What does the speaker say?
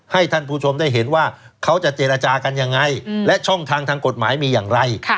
ท่านผู้ชมได้เห็นว่าเขาจะเจรจากันยังไงและช่องทางทางกฎหมายมีอย่างไร